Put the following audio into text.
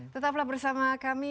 tetap bersama kami